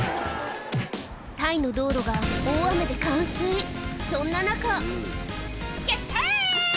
タイの道路が大雨で冠水そんな中「ヒャッハイ！」